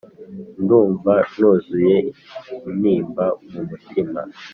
ndumva nuzuye intimba mu mutima